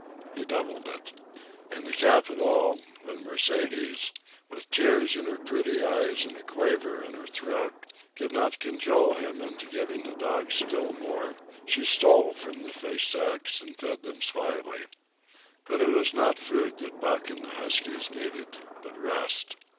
He doubled it. And to cap it all, when Mercedes, with tears in her pretty eyes and a quaver in her throat, could not cajole him into giving the dogs still more, she stole from the fish sacks and fed them slyly. But it was not food that Buck and the huskies needed, but rest.